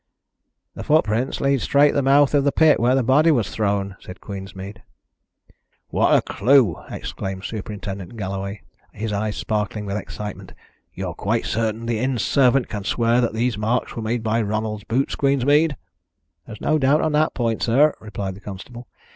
"The footprints lead straight to the mouth of the pit where the body was thrown," said Queensmead. "What a clue!" exclaimed Superintendent Galloway, his eyes sparkling with excitement. "You are quite certain the inn servant can swear that these marks were made by Ronald's boots, Queensmead?" "There's no doubt on that point, sir," replied the constable.